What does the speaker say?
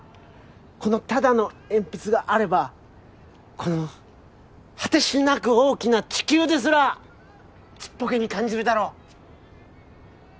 このただの鉛筆があればこの果てしなく大きな地球ですらちっぽけに感じるだろ？